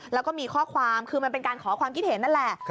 แล้วก็มีข้อความคือมันเป็นการขอความคิดเห็นนั่นแหละ